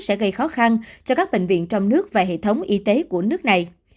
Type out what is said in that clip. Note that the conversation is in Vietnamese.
sẽ gây khó khăn cho các bệnh viện trong nước và hệ thống y tế của nước này